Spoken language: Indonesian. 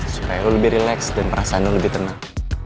supaya lo lebih relax dan perasaan lo lebih tenang